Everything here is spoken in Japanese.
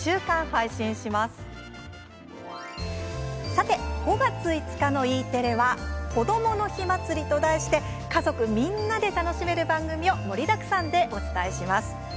さて、５月５日のＥテレは「こどもの日まつり」と題して家族みんなで楽しめる番組を盛りだくさんでお伝えします。